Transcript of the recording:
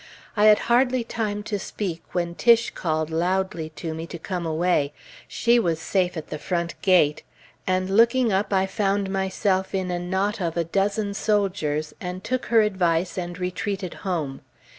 I had hardly time to speak when Tiche called loudly to me to come away, she was safe at the front gate, and looking up, I found myself in a knot of a dozen soldiers, and took her advice and retreated home.